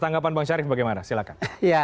tanggapan bang syarif bagaimana silakan